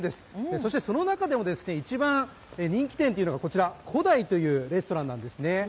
そして、その中でも一番人気店というのがこちら、胡大というレストランなんですね。